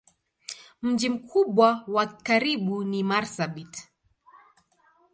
Mji mkubwa wa karibu ni Marsabit.